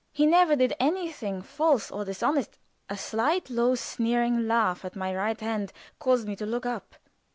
"He never did anything false or dishonest " A slight, low, sneering laugh at my right hand caused me to look up.